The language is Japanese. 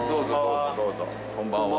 こんばんは。